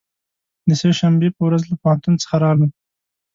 د سه شنبې په ورځ له پوهنتون څخه راغلم.